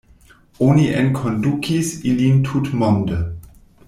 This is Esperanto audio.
Oni enkondukis ilin tutmonde.